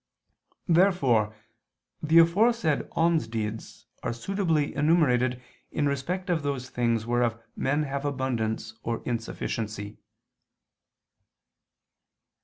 Therefore the aforesaid almsdeeds are suitably enumerated in respect of those things whereof men have abundance or insufficiency.